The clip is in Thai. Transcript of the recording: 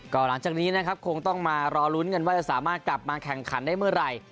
ก็หลังจากนี้นะครับคงต้องมารอลุ้นกันว่าจะสามารถกลับมาแข่งขันได้เมื่อไหร่